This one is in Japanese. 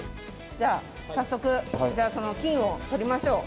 じゃあ早速じゃあその金を採りましょう。